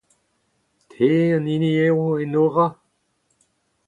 Te an hini eo Enora ?